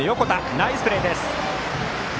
ナイスプレーです。